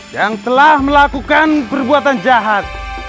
yang telah melakukan perbuatan jahat